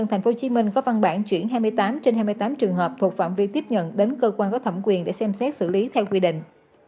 trường hợp thuộc phản vi tiếp nhận đến cơ quan có thẩm quyền để xem xét xử lý theo quy định